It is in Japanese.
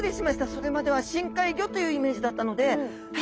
それまでは深海魚というイメージだったので「え！